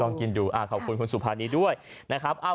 กินดูขอบคุณคุณสุภานีด้วยนะครับ